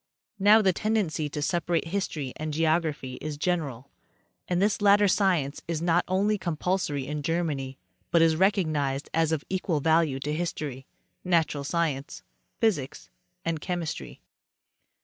Now the tendency to separate history and geography is general, and this latter science is not only compulsory in Germany, but is recognized as of equal value to history, natural science, physics and chemistry.